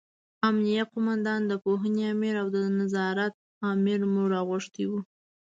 امینه قوماندان، د پوهنې امر او د نظارت امر مو راغوښتي وو.